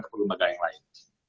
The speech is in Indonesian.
atau lembaga yang lain